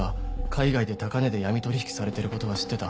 海外で高値で闇取引されている事は知ってた。